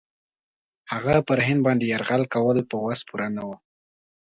هغه پر هند باندي یرغل کول په وس پوره نه وه.